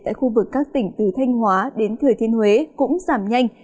tại khu vực các tỉnh từ thanh hóa đến thừa thiên huế cũng giảm nhanh